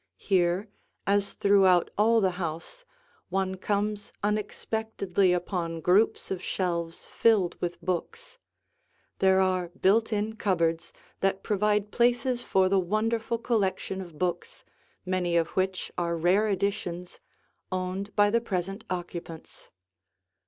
Here, as throughout all the house, one comes unexpectedly upon groups of shelves filled with books. There are built in cupboards that provide places for the wonderful collection of books, many of which are rare editions, owned by the present occupants.